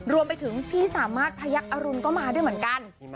รวมไปถึงพี่สามารถพยักษรุณก็มาด้วยเหมือนกัน